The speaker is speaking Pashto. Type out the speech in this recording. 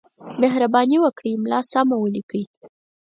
مهرباني وکړئ! املا سمه ولیکئ!